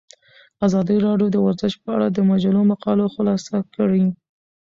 ازادي راډیو د ورزش په اړه د مجلو مقالو خلاصه کړې.